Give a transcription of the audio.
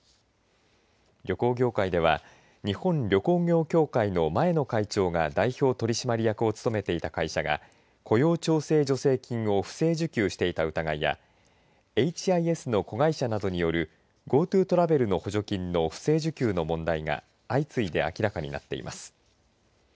旅行業界では日本旅行業協会の前の会長が代表取締役を務めていた会社が雇用調整助成金を不正受給していた疑いやエイチ・アイ・エスの子会社などによるＧｏＴｏトラベルの補助金の不正受給の問題が相次いで明らかになっています。